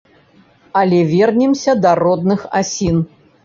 Але вернемся да родных асін.